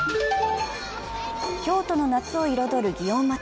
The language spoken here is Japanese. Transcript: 京都の夏を彩る祇園祭。